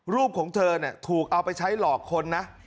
ของเธอถูกเอาไปใช้หลอกคนนะ